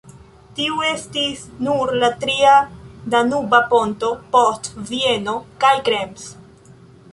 Tiu estis nur la tria Danuba ponto, post Vieno kaj Krems.